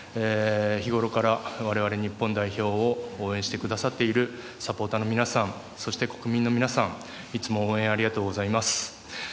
日頃から我々日本代表を応援してくださっているサポーターの皆さんそして国民の皆さんいつも応援ありがとうございます。